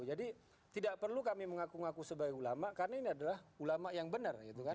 jadi tidak perlu kami mengaku ngaku sebagai ulama karena ini adalah ulama yang benar